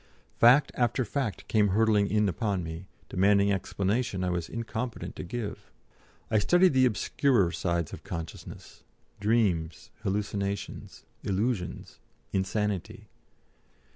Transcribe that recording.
Fact after fact came hurtling in upon me, demanding explanation I was incompetent to give. I studied the obscurer sides of consciousness, dreams, hallucinations, illusions, insanity.